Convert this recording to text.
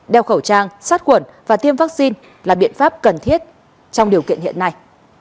đeo khẩu trang sát khuẩn và tiêm vaccine là biện pháp cần thiết trong điều kiện hiện nay